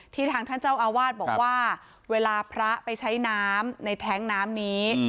ทางท่านเจ้าอาวาสบอกว่าเวลาพระไปใช้น้ำในแท้งน้ำนี้